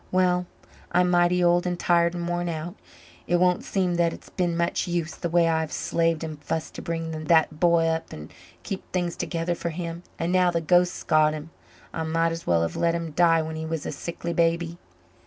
Well, I'm mighty old and tired and worn out. It don't seem that it's been much use, the way I've slaved and fussed to bring that b'y up and keep things together for him and now the ghost's got him. I might as well have let him die when he was a sickly baby."